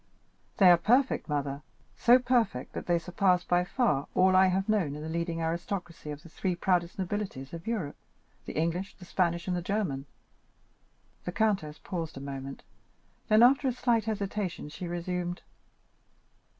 "They are perfect mother, so perfect, that they surpass by far all I have known in the leading aristocracy of the three proudest nobilities of Europe—the English, the Spanish, and the German." The countess paused a moment; then, after a slight hesitation, she resumed.